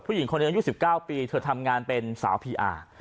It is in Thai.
ผู้หญิงของเธอนั่ง๒๙ปีเธอทำงานเป็นสาวพีอาร์